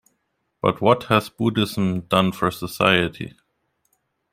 But what has Buddhism done for society?